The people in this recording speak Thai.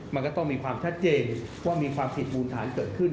มันก็ต้องมีความชัดเจนว่ามีความผิดมูลฐานเกิดขึ้น